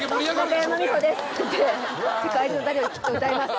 「中山美穂です」って言って『世界中の誰よりきっと』歌います。